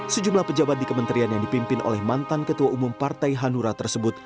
sejumlah pejabat di kementerian yang dipimpin oleh mantan ketua umum partai hanura tersebut